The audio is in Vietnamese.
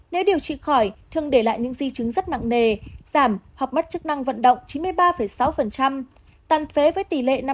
nếu điều trị khỏi thương để lại những di chứng rất nặng nề giảm hoặc mất chức năng vận động chín mươi ba sáu tàn phế với tỷ lệ năm mươi